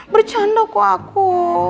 bercanda kok aku